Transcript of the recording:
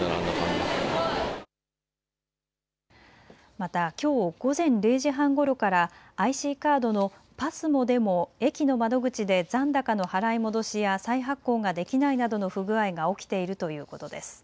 また、きょう午前０時半ごろからＩＣカードのＰＡＳＭＯでも駅の窓口で残高の払い戻しや再発行ができないなどの不具合が起きているということです。